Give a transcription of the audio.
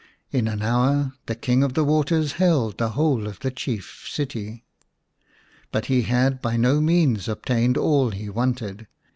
In an hour the King of the Waters held the whole of the chief city ; but he had by no means obtained all he wanted.